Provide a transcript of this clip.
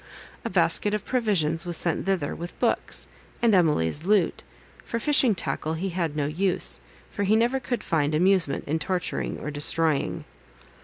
A basket of provisions was sent thither, with books, and Emily's lute; for fishing tackle he had no use, for he never could find amusement in torturing or destroying.